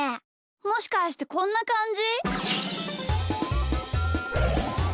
もしかしてこんなかんじ？